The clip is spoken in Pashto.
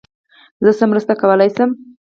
زه څه مرسته کولای سم.